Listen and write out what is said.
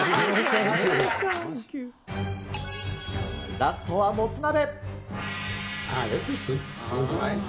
ラストはもつ鍋。